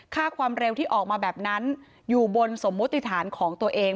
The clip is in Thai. ค่าความเร็วที่ออกมาแบบนั้นอยู่บนสมมุติฐานของตัวเอง